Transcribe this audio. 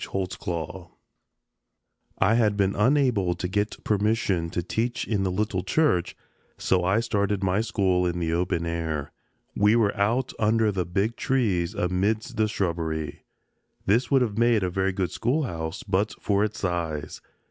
HOLTZCLAW I had been unable to get permission to teach in the little church, so I started my school in the open air. We were out under the big trees amidst the shrubbery. This would have made a very good schoolhouse but for its size.